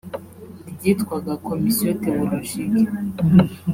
ryitwaga “Commission Théologique”